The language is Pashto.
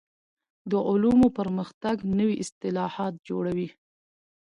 د علومو پرمختګ نوي اصطلاحات جوړوي.